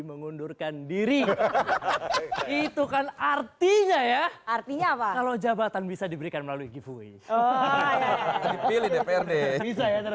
mengundurkan diri itu kan artinya ya artinya kalau jabatan bisa diberikan melalui giveaway